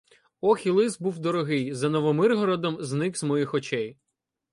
— Ох і лис був дорогий! За Новомиргородом зник з моїх очей.